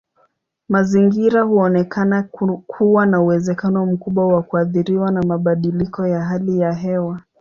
Mazingira huonekana kuwa na uwezekano mkubwa wa kuathiriwa na mabadiliko ya hali ya hewa.